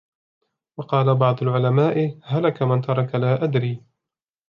وَقَالَ بَعْضُ الْعُلَمَاءِ هَلَكَ مَنْ تَرَكَ لَا أَدْرِي